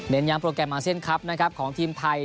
เน้นย้ำโปรแกรมอาเซ็นต์ครับของทีมไทย